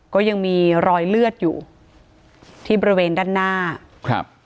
ก็ยังมีรอยเลือดอยู่ที่บริเวณด้านหน้าครับ